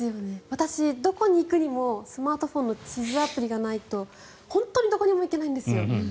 私、どこに行くにもスマートフォンの地図アプリがないと本当にどこにも行けないんです。